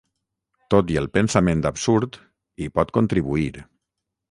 Tot i el pensament absurd hi pot contribuir.